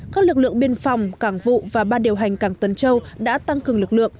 các lực lượng biên phòng cảng vụ và ban điều hành cảng tuần châu đã tăng cường lực lượng